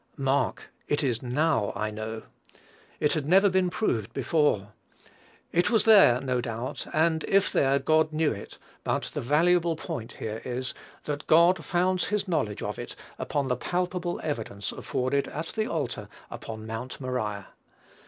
Mark, it is "now I know." It had never been proved before. It was there, no doubt; and, if there, God knew it; but the valuable point here is, that God founds his knowledge of it upon the palpable evidence afforded at the altar upon Mount Moriah.